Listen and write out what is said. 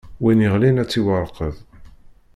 Win iɣlin ad ittwarkeḍ.